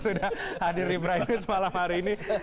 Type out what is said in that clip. sudah hadir di brainews malam hari ini